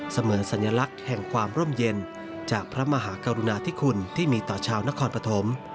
เสมือนสัญลักษณ์แห่งความร่มเย็นจากพระมหากรุณาธิคุณที่มีต่อชาวนครปฐม